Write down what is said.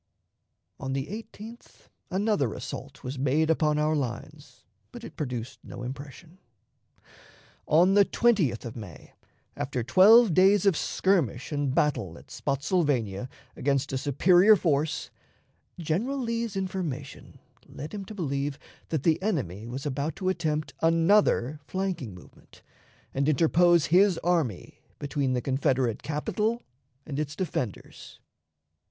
On the 18th another assault was made upon our lines, but it produced no impression. On the 20th of May, after twelve days of skirmish and battle at Spottsylvania against a superior force, General Lee's information led him to believe that the enemy was about to attempt another flanking movement, and interpose his army between the Confederate capital and its defenders.